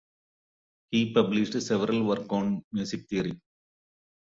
He published several works on music theory.